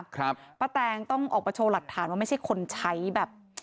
ป้าแตงต้องออกมาโชว์หลักฐานว่าไม่ใช่คนใช้แบบ